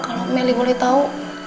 kalau melli boleh tau